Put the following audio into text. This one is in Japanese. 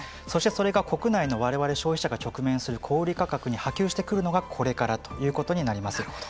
そして、それが国内のわれわれ消費者が直面する小売価格に波及してくるのがこれからということになります。